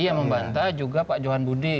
yang membantah juga pak johan budi